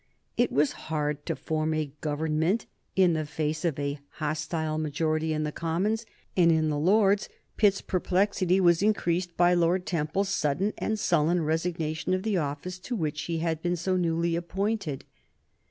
It was hard to form a Government in the face of a hostile majority in the Commons, and in the Lords Pitt's perplexity was increased by Lord Temple's sudden and sullen resignation of the office to which he had been so newly appointed.